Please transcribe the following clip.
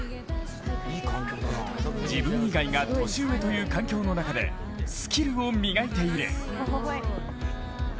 自分以外が年上という環境の中でスキルを磨いている。